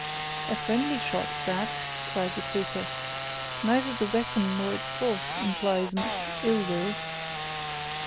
"A friendly shot, that," cried the trooper. "Neither the weapon, nor its force, implies much ill will."